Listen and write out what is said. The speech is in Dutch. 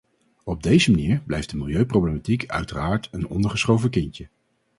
Op deze manier blijft de milieuproblematiek uiteraard een ondergeschoven kindje.